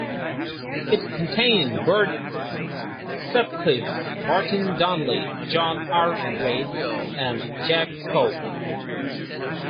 It contained Bert Sutcliffe, Martin Donnelly, John R. Reid and Jack Cowie.